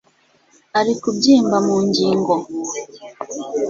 ari kubyimba mu ngingo